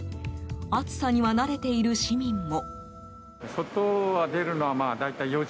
暑さには慣れている市民も。